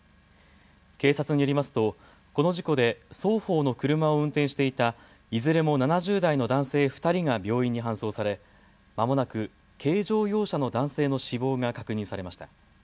警察によりますとこの事故で双方の車を運転していたいずれも７０代の男性２人が病院に搬送され、まもなく軽乗用車の男性の死亡が確認されました。